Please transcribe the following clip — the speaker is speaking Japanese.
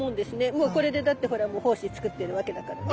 もうこれでだってほら胞子作ってるわけだからね。